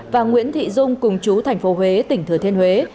và nguyễn thị dung cùng chú thành phố huế tỉnh thừa thiên huế